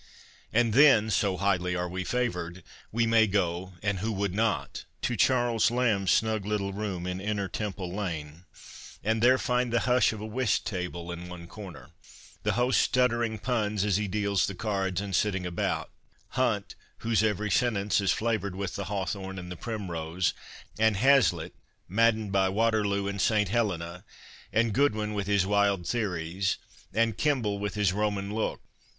And then, so highly are we favoured, we may go (and who would not ?) to D 50 CONFESSIONS OF A BOOK LOVER Charles Lamb's snug little room in Inner Temple Lane, and there find ' the hush of a whist table in one corner, the host stuttering puns as he deals the cards, and sitting about ; Hunt, whose every sentence is flavoured with the hawthorn and the primrose, and Hazlitt maddened by Waterloo and St. Helena, and Goodwin with his wild theories, and Kemble with his Roman look.